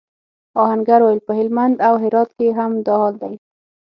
آهنګر وویل پهلمند او هرات کې هم دا حال دی.